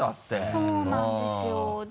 そうなんですよで